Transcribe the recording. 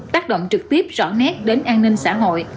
tác động trực tiếp rõ nét đến an ninh xã hội